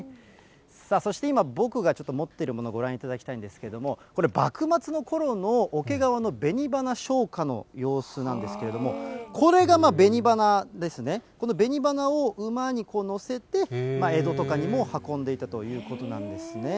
そして今、僕がちょっと持ってるもの、ご覧いただきたいんですけれども、これ、幕末のころの桶川のべに花商家の様子なんですけれども、これがべに花ですね、このべに花を馬に載せて、江戸とかにも運んでいたということなんですね。